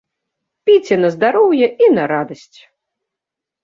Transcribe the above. Піце на здароўе і на радасць!